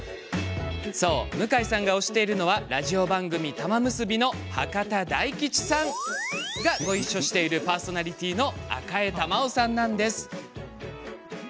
そう、向井さんが推しているのはラジオ番組「たまむすび」の博多大吉さんがごいっしょしているパーソナリティーの赤江珠緒さんです。